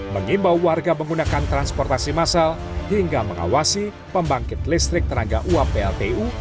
mengimbau warga menggunakan transportasi massal hingga mengawasi pembangkit listrik tenaga uap pltu